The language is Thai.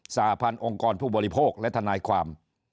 สาพันธ์องค์กรผู้บริโภคและทนายความ